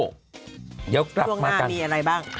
ช่วงหน้ามีอะไรบ้าง